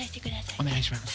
お願いします